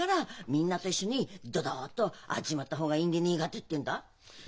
みんなと一緒にドドッと会っちまった方がいいんでねえかって言ってんだ。